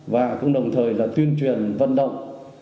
và cũng đồng thời là tuyên truyền vận động